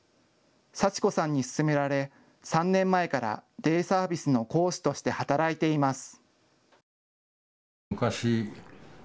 祥子さんに勧められ３年前からデイサービスの講師として働いています。